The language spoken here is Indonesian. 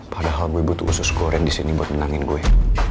padahal gue butuh usus goreng disini buat menangin gue